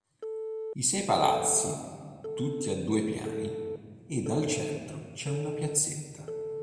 I sei palazzi, tutti a due piani, ed al centro c'è una piazzetta.